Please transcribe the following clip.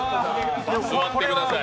座ってください。